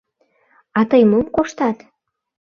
— А тый мом коштат?..